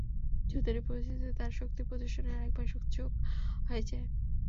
যুদ্ধের এই পরিস্থিতিতে তার শক্তি প্রদর্শনের আরেকবার সুযোগ হয়ে যায়।